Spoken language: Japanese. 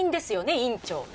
院長。